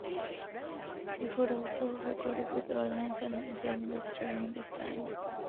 Pettiford also recorded with Earl Hines and Ben Webster around this time.